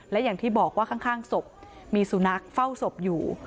และอย่างที่บอกว่าข้างศพมีสุนัขเฝ้าศพอยู่